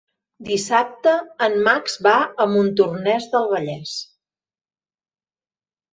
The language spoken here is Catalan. Dissabte en Max va a Montornès del Vallès.